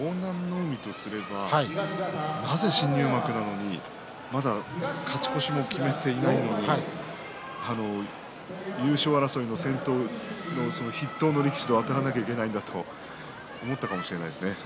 海とすればなぜ新入幕なのに勝ち越しも決まっていないのに優勝争いの先頭筆頭の力士とあたらなければいけないのかと思ったかもしれませんね。